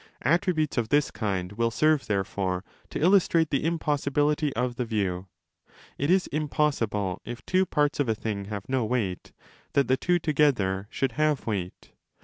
Attributes of this kind will serve, therefore, to illustrate the impossibility of the view. It is impossible, if 25. two parts of a thing have no weight, that the two together should have weight.